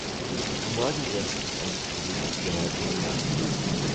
Im Norden grenzt es an die Provinz Jawa Tengah.